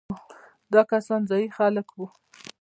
دا کسان ځايي خلک وو.